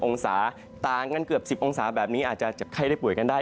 องศาต่างกันเกือบ๑๐องศาแบบนี้อาจจะไข้ได้ป่วยกันได้